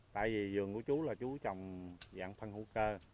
tại vì vườn của chú là chú trồng dạng phân hữu cơ